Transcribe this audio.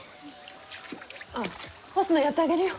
あっ干すのやってあげるよ。